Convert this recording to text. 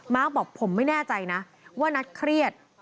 บอกผมไม่แน่ใจนะว่านัทเครียด